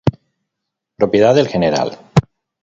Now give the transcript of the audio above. Propiedad del Gral.